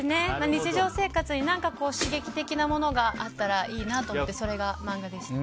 日常生活に何か刺激的なものがあったらいいなと思ってそれがマンガでした。